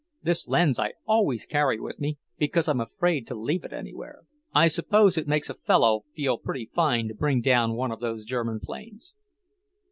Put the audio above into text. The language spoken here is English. This lens I always carry with me, because I'm afraid to leave it anywhere." "I suppose it makes a fellow feel pretty fine to bring down one of those German planes."